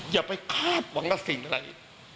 อย่าไปคาดหวังกับสิ่งอะไร